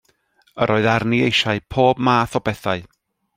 Yr oedd arni eisiau pob math o bethau.